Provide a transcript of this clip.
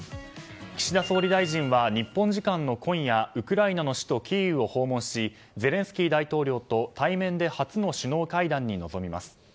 岸田総理大臣は日本時間の今夜ウクライナの首都キーウを訪問しゼレンスキー大統領と対面で初の首脳会談に臨みます。